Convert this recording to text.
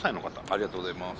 ありがとうございます。